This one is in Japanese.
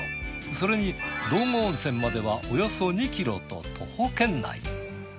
それに道後温泉まではおよそ２ｋｍと徒歩圏内。